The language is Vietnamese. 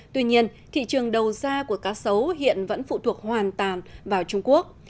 tuy nhiên thị trường đầu ra của cá sấu hiện vẫn phụ thuộc hoàn tàn vào trung quốc